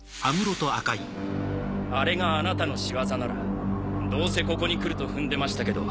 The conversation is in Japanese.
あれがあなたの仕業ならどうせここに来ると踏んでましたけど。